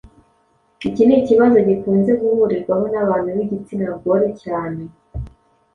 iki ni ikibazo gikunze guhurirwaho n’abantu b’igitsina gore cyane,